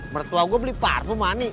mertua gue beli parfum mana nih